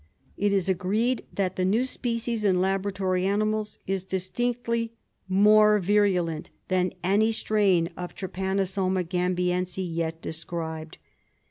It is agreed that the new species in laboratory animals is distinctly more virulent than any strain of T. gamhiense yet described.